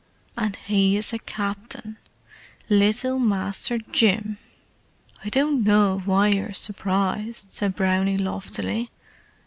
And he's a Captin! Little Masther Jim!" "I don't know why you're surprised," said Brownie loftily.